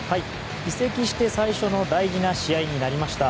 移籍して最初の大事な試合になりました。